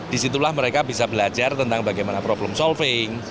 disitulah mereka bisa belajar tentang bagaimana problem solving